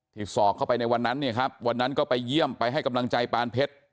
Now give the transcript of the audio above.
สอบเข้าไปในวันนั้นเนี่ยครับวันนั้นก็ไปเยี่ยมไปให้กำลังใจปานเพชร